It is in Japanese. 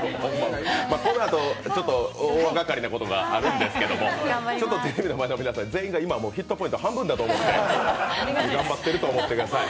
このあと大がかりなことがあるんですけどテレビの前の皆さん、全員が今、ヒットポイント半分だと思って頑張ってると思ってください。